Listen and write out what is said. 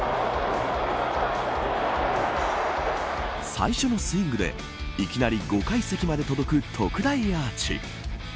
最初のスイングでいきなり５階席まで届く特大アーチ。